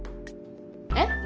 えっ？